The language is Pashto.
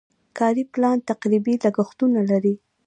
کاري پلان تقریبي لګښتونه لري.